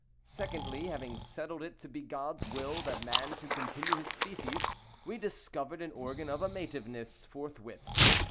Secondly, having settled it to be God's will that man should continue his species, we discovered an organ of amativeness, forthwith.